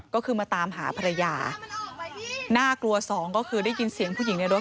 ก็คือมาตามหาภรรยาน่ากลัวสองก็คือได้ยินเสียงผู้หญิงในรถ